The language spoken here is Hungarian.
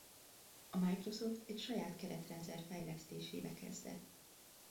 A Microsoft egy saját keretrendszer fejlesztésébe kezdett.